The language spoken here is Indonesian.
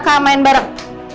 kakak main bareng